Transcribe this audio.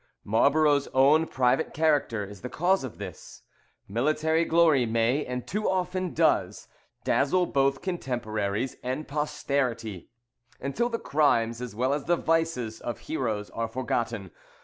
Marlborough's own private character is the cause of this. Military glory may, and too often does, dazzle both contemporaries and posterity, until the crimes as well as the vices of heroes are forgotten.